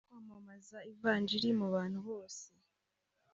kwamamaza ivanjili mu bantu bose